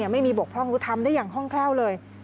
ไม่มีบกพร่องหรือทำได้อย่างคล่องแคล่วเลย